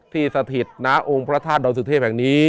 ที่สถิตร์น้าองค์พระธาตุโรทศือเทพแห่งนี้